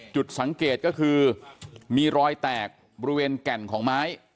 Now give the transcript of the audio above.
จุดสังเกตก็คือมีรอยแตกบริเวณแก่นของไม้